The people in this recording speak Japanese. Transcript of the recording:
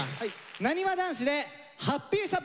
なにわ男子で「ハッピーサプライズ」！